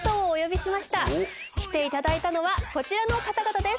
来ていただいたのはこちらの方々です。